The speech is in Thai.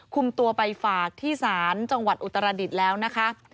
คุมตัวไปฝากที่ศาลจังหวัดอุตรดิษฐ์แล้วนะคะ